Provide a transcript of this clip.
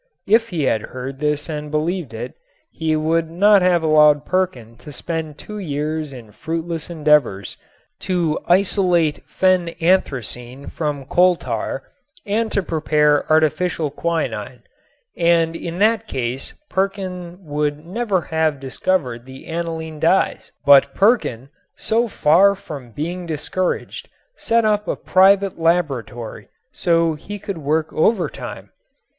If he had heard this and believed it, he would not have allowed Perkin to spend two years in fruitless endeavors to isolate phenanthrene from coal tar and to prepare artificial quinine and in that case Perkin would never have discovered the aniline dyes. But Perkin, so far from being discouraged, set up a private laboratory so he could work over time.